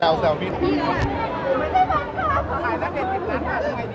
สวัสดีครับ